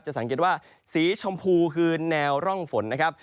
สังเกตว่าสีชมพูคือแนวร่องฝนนะครับ